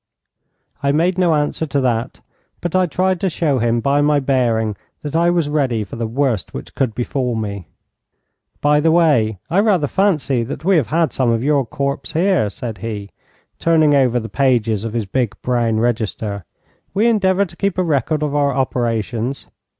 I made no answer to that, but I tried to show him by my bearing that I was ready for the worst which could befall me. 'By the way, I rather fancy that we have had some of your corps here,' said he, turning over the pages of his big brown register. 'We endeavour to keep a record of our operations.